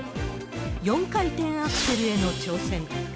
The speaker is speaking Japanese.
４回転アクセルへの挑戦。